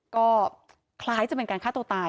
ก็คล้ายจะเป็นการฆ่าตัวตาย